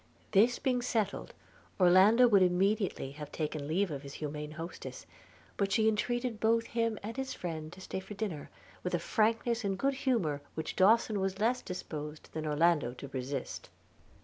This being settled, Orlando would immediately have taken leave of his humane hostess; but she entreated both him and his friend to stay dinner, with a frankness and good humour which Dawson was less disposed than Orlando to resist.